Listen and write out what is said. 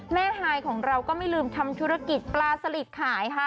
ฮายของเราก็ไม่ลืมทำธุรกิจปลาสลิดขายค่ะ